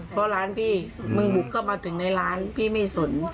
เพราะร้านพี่มึงบุกเข้ามาถึงในร้านพี่ไม่สน